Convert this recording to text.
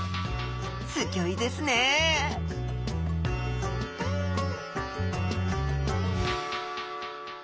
すギョいですねはい。